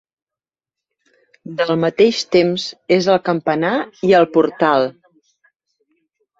Del mateix temps és el campanar i el portal.